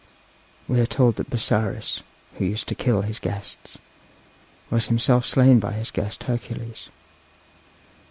We are told that Busiris, who used to kill his guests, was himself slain by his guest, Hercules.